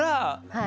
はい。